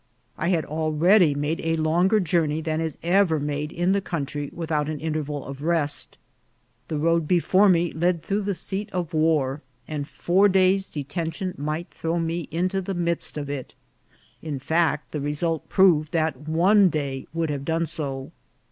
I had already made a longer journey than is ever made in the coun try without an interval of rest. The road before me led through the seat of war, and four days' detention might throw me into the midst of it. (In fact, the result proved that one day would have done so.)